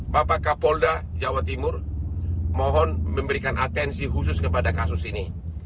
bapak kapolda jawa timur mohon memberikan atensi khusus kepada kasus ini